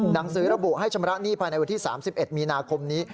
หนังสือระบุให้ชำระหนี้ภายในวันที่๓๑มีนาคมนี้